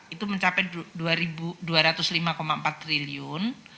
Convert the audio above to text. itu mencapai dua ratus lima empat triliun